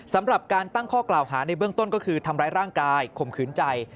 สำหรับการตั้งข้อกล่าวหาในเบื้องต้นก็คือทำร้ายร่างกายข่มขืนใจ